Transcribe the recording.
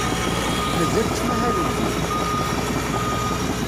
Mazal ttmahalen din?